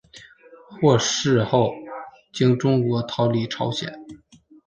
获释后经中国逃离朝鲜。